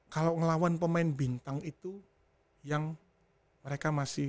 kalau ngelawan pemain bintang itu yang mereka masih